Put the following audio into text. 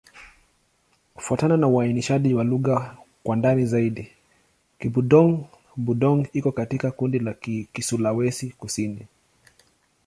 Kufuatana na uainishaji wa lugha kwa ndani zaidi, Kibudong-Budong iko katika kundi la Kisulawesi-Kusini.